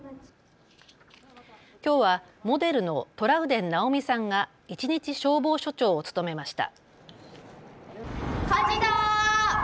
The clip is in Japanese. きょうはモデルのトラウデン直美さんが一日消防署長を務めました。